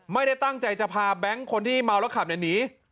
ไม่ได้ตั้งใจจะพาแบงค์คนที่เมาแล้วขับหนี